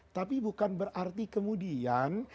tapi bukan berarti kemudian